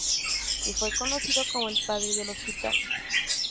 Y fue conocido como el "padre de los gitanos".